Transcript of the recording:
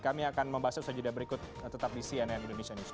kami akan membahas itu pada suatu video berikut tetap di cnn indonesia newscast